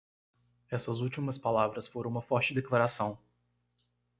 Essas últimas palavras foram uma forte declaração.